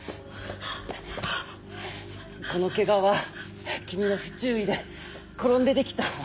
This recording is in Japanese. このケガは君の不注意で転んで出来た。